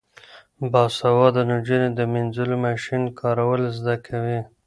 باسواده نجونې د مینځلو ماشین کارول زده کوي.